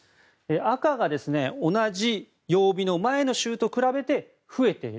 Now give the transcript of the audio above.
赤が、同じ曜日の前の週と比べて増えている。